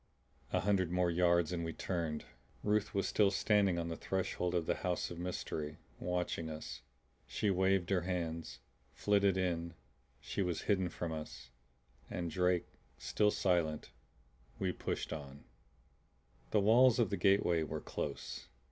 A hundred more yards and we turned. Ruth was still standing on the threshold of the house of mystery, watching us. She waved her hands, flitted in, was hidden from us. And Drake still silent, we pushed on. The walls of the gateway were close.